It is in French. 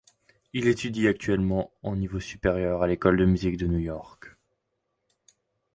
Il étudie actuellement en niveau supérieur à l'école de musique de New York.